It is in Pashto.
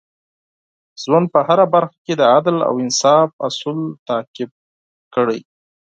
د ژوند په هره برخه کې د عدل او انصاف اصول تعقیب کړئ.